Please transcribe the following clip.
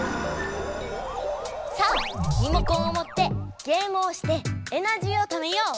さあリモコンをもってゲームをしてエナジーをためよう。